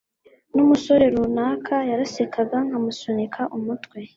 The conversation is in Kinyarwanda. numusore runaka yarasekaga nkamusunika umutwe